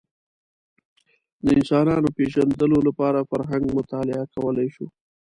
د انسانانو پېژندلو لپاره فرهنګ مطالعه کولی شو